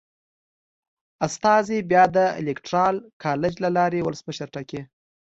استازي بیا د الېکترال کالج له لارې ولسمشر ټاکي.